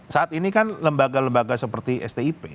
saat ini kan lembaga lembaga seperti stip